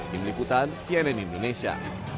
tim liputan cnn indonesia